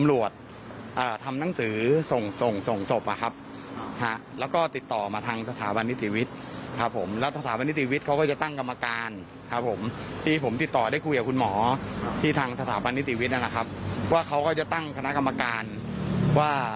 แล้วก็บอกของคณะกรรมการว่า